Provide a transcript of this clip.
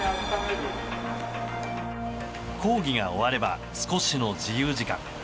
講義が終われば少しの自由時間。